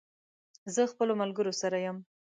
زه خپلو ملګرو سره یم